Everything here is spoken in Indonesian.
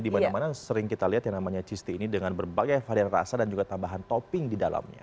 dimana mana sering kita lihat yang namanya cheese tea ini dengan berbagai varian rasa dan juga tambahan topping di dalamnya